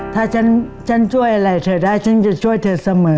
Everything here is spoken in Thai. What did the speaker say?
ถ้าฉันช่วยอะไรเธอได้ฉันจะช่วยเธอเสมอ